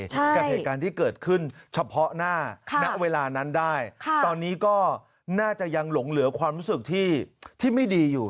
กับเหตุการณ์ที่เกิดขึ้นเฉพาะหน้าณเวลานั้นได้ตอนนี้ก็น่าจะยังหลงเหลือความรู้สึกที่ไม่ดีอยู่